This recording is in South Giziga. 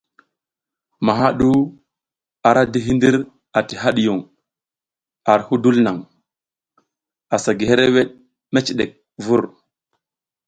Maha ɗu ara di hindir ati hadiyun ar hudul naŋ, asa gi hereweɗ meciɗek vur.